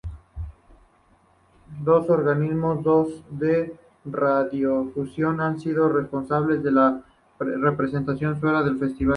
Dos organismos de radiodifusión han sido responsables de la representación sueca en el festival.